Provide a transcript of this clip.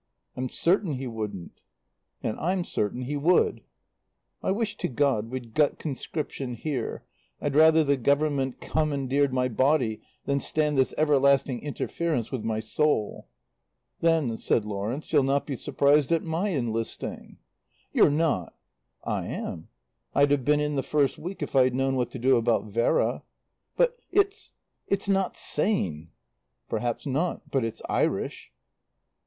"I'm certain he wouldn't." "And I'm certain he would." "I wish to God we'd got conscription here. I'd rather the Government commandeered my body than stand this everlasting interference with my soul." "Then," said Lawrence, "you'll not be surprised at my enlisting." "You're not " "I am. I'd have been in the first week if I'd known what to do about Vera." "But it's it's not sane." "Perhaps not. But it's Irish."